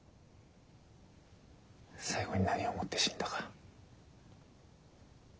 最後に何を思って死んだか。